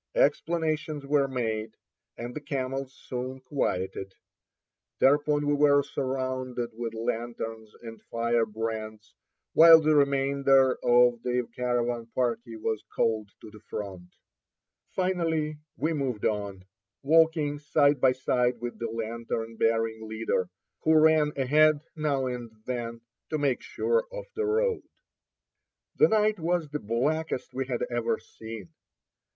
Explanations were made, and the camels soon quieted. Thereupon we were surrounded with lanterns and firebrands, while the remainder of the caravan party was called to the front. Finally we moved on, walking side by side with 84 Across Asia on a Bicycle the lantern bearing leader, who ran ahead now and then to make sure of the road. The night was the blackest we had ever seen.